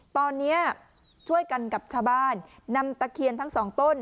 ตอนนี้ช่วยกันกับชาวบ้านนำตะเคียนทั้งสองต้น